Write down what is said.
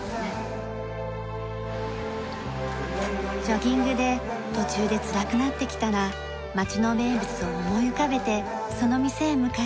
ジョギングで途中でつらくなってきたら町の名物を思い浮かべてその店へ向かいます。